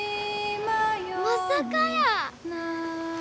まさかやー。